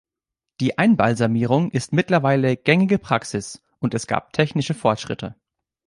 Die Einbalsamierung ist mittlerweile gängige Praxis, und es gab technische Fortschritte.